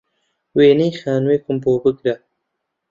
وێنەی خانووێکم بۆ بگرە